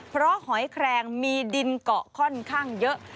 เพราะหอยแครงมีดินเกาะค่อนข้างเยอะ